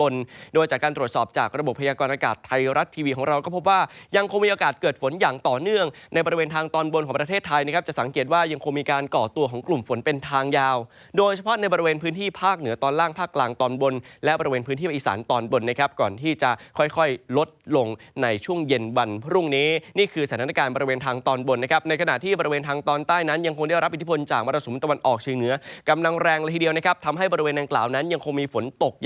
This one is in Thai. ล่างภาคกลางตอนบนและบริเวณพื้นที่อีสานตอนบนนะครับก่อนที่จะค่อยค่อยลดลงในช่วงเย็นวันพรุ่งนี้นี่คือสถานการณ์บริเวณทางตอนบนนะครับในขณะที่บริเวณทางตอนใต้นั้นยังคงได้รับอิทธิพลจากวรสุมตะวันออกชีวินเหนือกำลังแรงละทีเดียวนะครับทำให้บริเวณนางกล่าวนั้นยังคงมีฝนตก